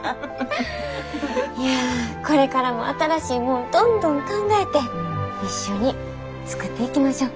いやこれからも新しいもんどんどん考えて一緒に作っていきましょう。